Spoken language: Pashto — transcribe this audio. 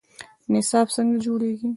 نصاب څنګه جوړیږي؟